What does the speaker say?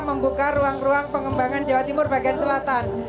membuka ruang ruang pengembangan jawa timur bagian selatan